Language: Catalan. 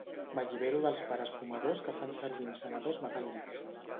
M'allibero dels pares fumadors que fan servir encenedors metàl·lics.